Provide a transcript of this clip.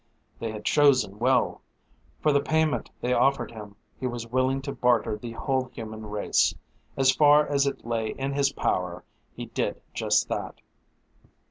They had chosen well. For the payment they offered him he was willing to barter the whole human race. As far as it lay in his power he did just that.